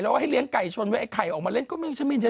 แล้วให้เลี้ยงไก่ชนไว้ไอ้ไข่ออกมาเล่นก็ไม่รู้ฉันไม่ได้